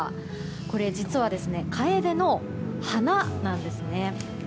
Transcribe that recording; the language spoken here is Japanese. これ、実はカエデの花なんですね。